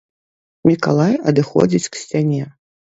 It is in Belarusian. Мікалай адыходзіць к сцяне.